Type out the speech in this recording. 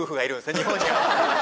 日本には。